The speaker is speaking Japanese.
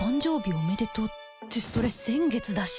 おめでとうってそれ先月だし